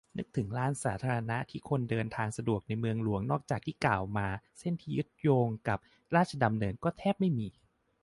นึกถึง "ลานสาธารณะ" ที่คนเดินทางสะดวกในเมืองหลวงนอกจากที่กล่าวมาเส้นที่ยึดโยงกับราชดำเนิน ก็แทบไม่มี